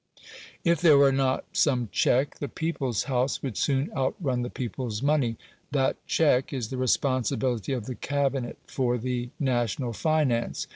If there were not some check, the "people's house" would soon outrun the people's money. That check is the responsibility of the Cabinet for the national finance.